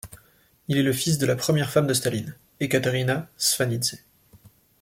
Il est le fils de la première femme de Staline, Ekaterina Svanidze.